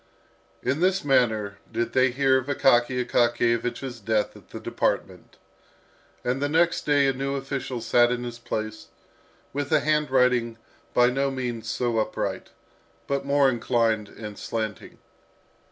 In this manner did they hear of Akaky Akakiyevich's death at the department. And the next day a new official sat in his place, with a handwriting by no means so upright, but more inclined and slanting.